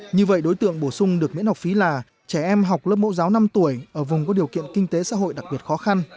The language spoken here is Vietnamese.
như vậy đối tượng bổ sung được miễn học phí là trẻ em học lớp mẫu giáo năm tuổi ở vùng có điều kiện kinh tế xã hội đặc biệt khó khăn